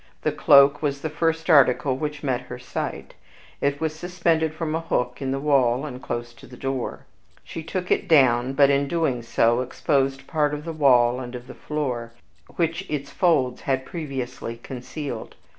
The cloak was the first article which met her sight; it was suspended from a hook in the wall, and close to the door. She took it down, but, in doing so, exposed part of the wall and of the floor, which its folds had previously concealed.